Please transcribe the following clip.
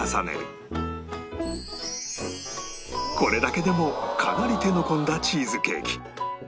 これだけでもかなり手の込んだチーズケーキ